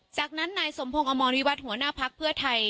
จากนั้นนายสมพงศ์อมรวิวัตรหัวหน้าพักเพื่อไทย